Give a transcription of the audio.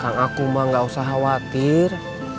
kang akuma gak usah khawatir